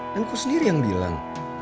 dan aku sendiri yang bilang